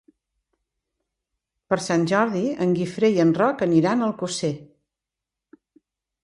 Per Sant Jordi en Guifré i en Roc iran a Alcosser.